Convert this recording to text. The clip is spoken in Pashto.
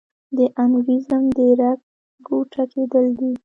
د انوریزم د رګ ګوټه کېدل دي.